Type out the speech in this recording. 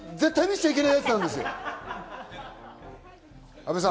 阿部さん！